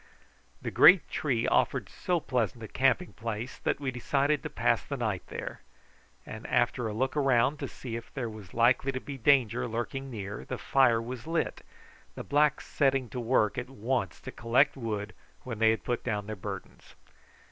The great tree offered so pleasant a camping place that we decided to pass the night there, and after a look round to see if there was likely to be danger lurking near, the fire was lit, the blacks setting to work at once to collect wood when they had put down their burdens.